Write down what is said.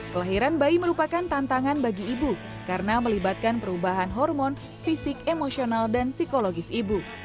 kelahiran bayi merupakan tantangan bagi ibu karena melibatkan perubahan hormon fisik emosional dan psikologis ibu